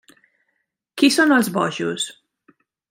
Qui són els bojos?